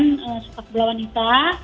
departemen sepak bola wanita